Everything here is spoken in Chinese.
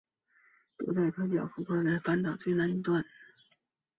多塞特角是福克斯半岛的最南端。